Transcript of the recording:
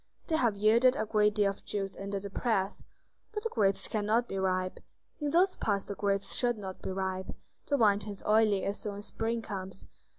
They have yielded a great deal of juice under the press." "But the grapes cannot be ripe?" "In those parts the grapes should not be ripe; the wine turns oily as soon as spring comes."